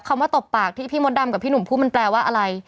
คำว่าตบปากที่พี่มดดำกับพี่หนุ่มพูดมันแปลว่าอะไร